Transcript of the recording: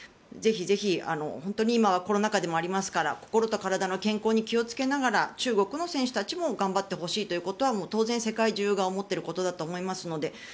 ぜひぜひ本当に今はコロナ禍でもありますから心と体の健康に気をつけながら中国の選手たちも頑張ってほしいということはもう当然、世界中が思っていることだと思いますので